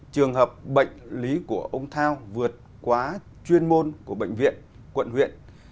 trường hợp bệnh lý của ông thao vượt quá chuyên môn của bệnh viện quận huyện